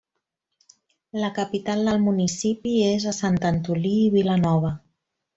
La capital del municipi és a Sant Antolí i Vilanova.